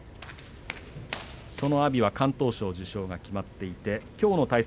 その阿炎敢闘賞受賞が決まっています。